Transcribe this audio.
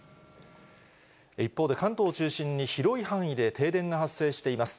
一方で、関東を中心に、広い範囲で停電が発生しています。